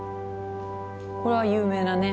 これは有名なね